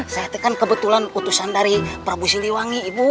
saya itu kan kebetulan utusan dari prabu siliwangi ibu